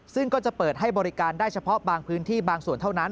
ซึ่งก็จะเปิดให้บริการได้เฉพาะบางพื้นที่บางส่วนเท่านั้น